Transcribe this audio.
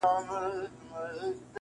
• له هر نوي کفن کښه ګیله من یو -